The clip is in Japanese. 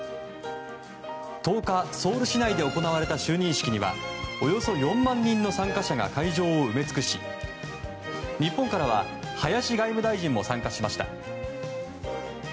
１０日、ソウル市内で行われた就任式にはおよそ４万人の参加者が会場を埋め尽くし日本からは林外務大臣も参加しました。